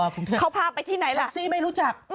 เขาพาไปที่ไหนล่ะ